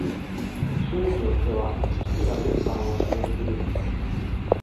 州によっては、知事がメンバーを指名する。